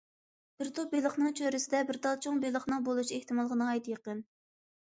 بىر توپ بېلىقنىڭ چۆرىسىدە، بىر تال چوڭ بېلىقنىڭ بولۇشى ئېھتىمالغا ناھايىتى يېقىن.